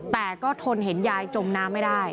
แต่ก็ทนเห็นยายโดดงอกจบน้ำไม่ได้